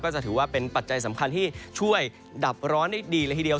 จะถือว่าเป็นปัจจัยสำคัญที่ช่วยดับร้อนได้ดีเลยทีเดียว